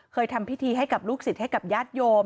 เคยทำพิธีให้ลูกศิษย์ให้ย่าดโยม